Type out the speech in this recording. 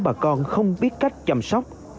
bà con không biết cách chăm sóc